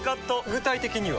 具体的には？